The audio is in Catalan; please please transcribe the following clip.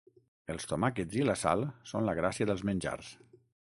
Els tomàquets i la sal són la gràcia dels menjars.